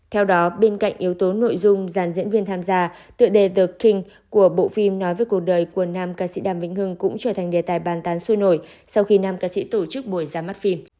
theo đó bên cạnh yếu tố nội dung giàn diễn viên tham gia tựa đề the king của bộ phim nói về cuộc đời của nam ca sĩ đàm vĩnh hưng cũng trở thành đề tài bàn tán sôi nổi sau khi nam ca sĩ tổ chức buổi ra mắt phim